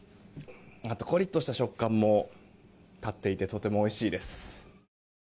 コリっとした食感も立っていてとてもおいしいです。